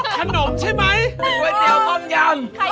เป็นเว้นเตี๋ยวต้มยำ